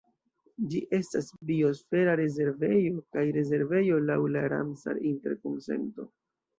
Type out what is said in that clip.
Ĝi estas biosfera rezervejo kaj rezervejo laŭ la Ramsar-Interkonsento.